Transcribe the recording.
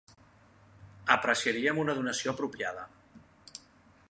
Apreciaríem una donació apropiada